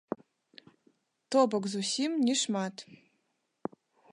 То бок зусім не шмат.